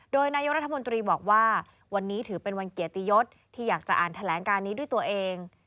โดยนายกรัฐมนตรีบอกว่าวันนี้ถือเป็นวันเกียรติยศที่อยากจะอ่านแถลงการนี้ด้วยตัวเอง